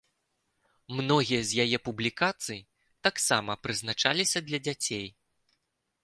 Многія з яе публікацый таксама прызначаліся для дзяцей.